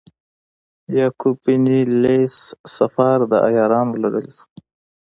یعقوب بن لیث صفار د عیارانو له ډلې څخه و.